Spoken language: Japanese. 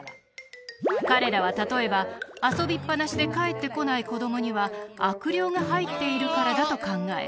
彼らは例えば遊びっぱなしで帰ってこない子供には悪霊が入っているからだと考え